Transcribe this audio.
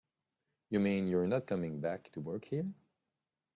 You mean you're not coming back to work here?